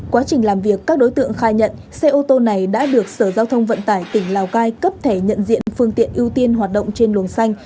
quá trình làm việc các đối tượng khai nhận xe ô tô này đã được sở giao thông vận tải tỉnh lào cai cấp thẻ nhận diện phương tiện ưu tiên hoạt động trên luồng xanh